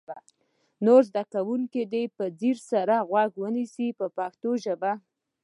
نور زده کوونکي دې په ځیر سره غوږ ونیسي په پښتو ژبه.